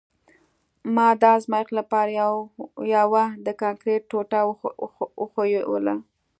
ما د ازمایښت لپاره یوه د کانکریټ ټوټه وښویوله